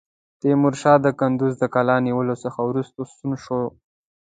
تیمورشاه کندوز د قلا نیولو څخه وروسته ستون شو.